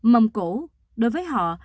mong cổ đối với họ